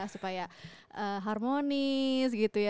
supaya harmonis gitu ya